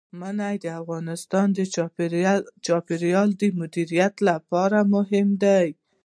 منی د افغانستان د چاپیریال د مدیریت لپاره مهم دي.